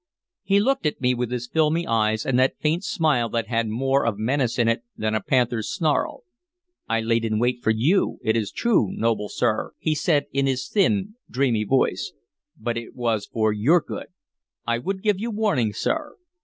He looked at me with his filmy eyes, and that faint smile that had more of menace in it than a panther's snarl. "I laid in wait for you, it is true, noble sir," he said in his thin, dreamy voice, "but it was for your good. I would give you warning, sir."